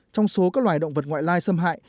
trong số các loài động vật ngoại lai xâm hại